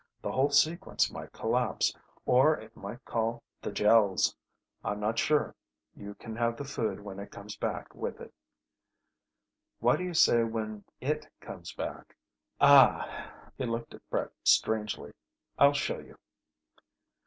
The whole sequence might collapse; or it might call the Gels. I'm not sure. You can have the food when it comes back with it." "Why do you say 'when "it" comes back'?" "Ah." He looked at Brett strangely. "I'll show you."